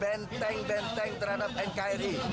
benteng benteng terhadap nkri